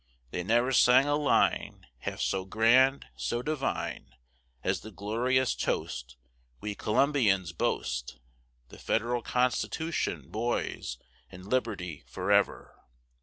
They ne'er sang a line Half so grand, so divine As the glorious toast We Columbians boast The Federal Constitution, boys, and Liberty forever.